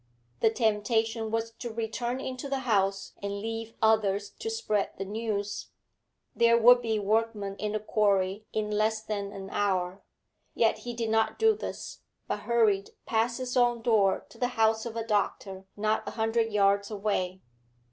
The temptation was to return into the house and leave others to spread the news; there would be workmen in the quarry in less than an hour. Yet he did not do this, but hurried past his own door to the house of a doctor not a hundred yards away.